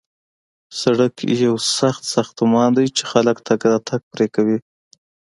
سړک یو سخت ساختمان دی چې خلک تګ راتګ پرې کوي